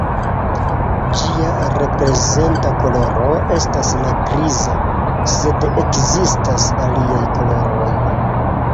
Ĝia reprezenta koloro estas la griza, sed ekzistas aliaj koloroj.